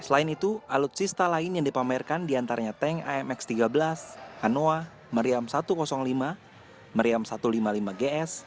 selain itu alutsista lain yang dipamerkan diantaranya tank amx tiga belas hanoa meriam satu ratus lima meriam satu ratus lima puluh lima gs